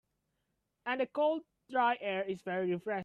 And the cold, dry air is very refreshing.